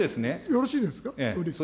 よろしいですか。